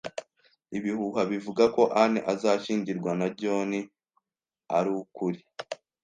Ibihuha bivuga ko Anne azashyingirwa na John arukuri?